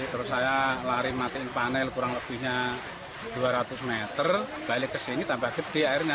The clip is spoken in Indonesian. terus saya lari matiin panel kurang lebihnya dua ratus meter balik ke sini tambah gede airnya